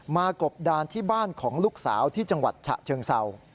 กบดานที่บ้านของลูกสาวที่จังหวัดฉะเชิงเศร้า